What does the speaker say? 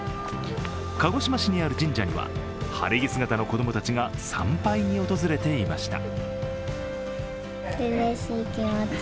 鹿児島市にある神社には晴れ着姿の子供たちが参拝に訪れていました。